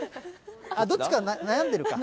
どっちか悩んでるか。